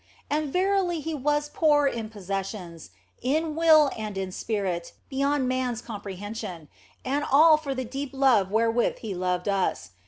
And verily He was poor in possessions, in will and in spirit, beyond man s comprehension, and all for the deep love wherewith He loved us.